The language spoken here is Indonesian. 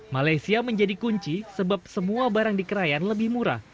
malaysia menjadi kunci sebab semua barang di krayan lebih murah